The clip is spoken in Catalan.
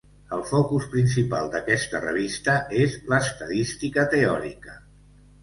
El focus principal d'aquesta revista és l’Estadística Teòrica.